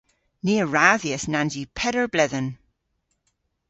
Ni a radhyas nans yw peder bledhen.